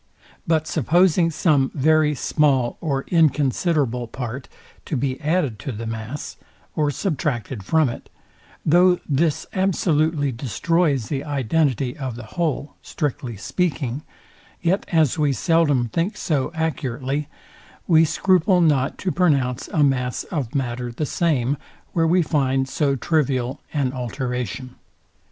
But supposing some very small or inconsiderable part to be added to the mass, or subtracted from it; though this absolutely destroys the identity of the whole, strictly speaking; yet as we seldom think so accurately, we scruple not to pronounce a mass of matter the same, where we find so trivial an alteration.